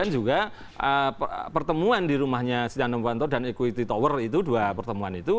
dan juga pertemuan di rumahnya setia novanto dan equity tower itu dua pertemuan itu